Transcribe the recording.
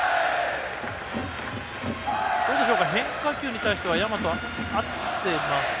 変化球に対しては大和、合っていますか。